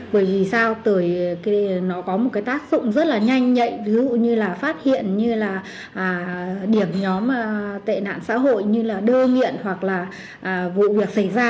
bởi vì sao từ khi nó có một cái tác dụng rất là nhanh nhạy ví dụ như là phát hiện như là điểm nhóm tệ nạn xã hội như là đơ nghiện hoặc là vụ việc xảy ra